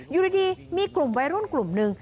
อยู่ดีมีกลุ่มวัยรุ่นกลุ่มหนึ่ง